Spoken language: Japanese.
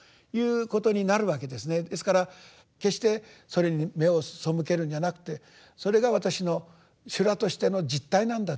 ですから決してそれに目を背けるんじゃなくてそれが私の「修羅」としての実態なんだと。